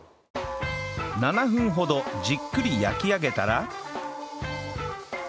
７分ほどじっくり焼き上げたら